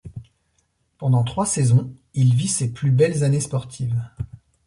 Pendant trois saisons, il vit ces plus belles années sportives.